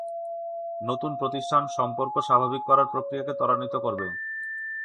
নতুন প্রতিষ্ঠান সম্পর্ক স্বাভাবিক করার প্রক্রিয়াকে ত্বরান্বিত করবে।